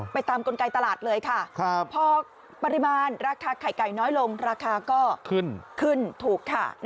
ตามกลไกตลาดเลยค่ะพอปริมาณราคาไข่ไก่น้อยลงราคาก็ขึ้นขึ้นถูกค่ะ